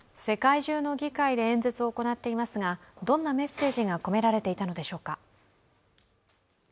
世界中の議会で演説を行っていますがどんなメッセージが込められていたのでしょうか。